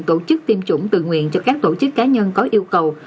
tổ chức tiêm chủng tự nguyện cho các tổ chức cá nhân có yêu cầu